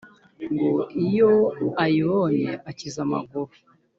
ngo iyo ayibonye akiza amaguru